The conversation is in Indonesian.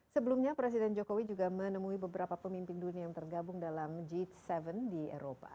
sebelumnya presiden jokowi juga menemui beberapa pemimpin dunia yang tergabung dalam g tujuh di eropa